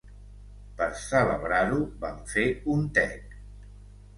Per celebrar-ho van fer un tec.